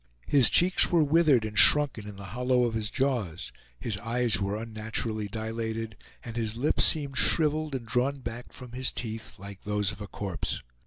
His cheeks were withered and shrunken in the hollow of his jaws; his eyes were unnaturally dilated, and his lips seemed shriveled and drawn back from his teeth like those of a corpse.